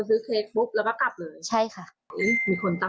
เสียชีวิต